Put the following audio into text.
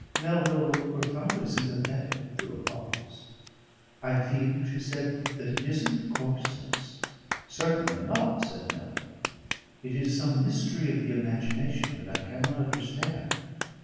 Melville looked profoundly sympathetic through a pause. "I feel," she said, "that it isn't coarseness." "Certainly not," said Melville. "It is some mystery of the imagination that I cannot understand.